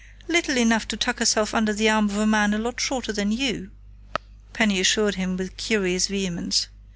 "Little enough to tuck herself under the arm of a man a lot shorter than you," Penny assured him with curious vehemence.